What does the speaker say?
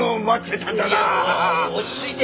落ち着いて！